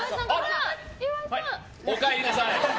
おかえりなさい。